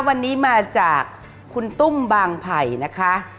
วันนี้มาจากคุณตุ้มบางไผ่นะคะ